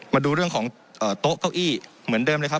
มาดูเรื่องของโต๊ะเก้าอี้เหมือนเดิมเลยครับ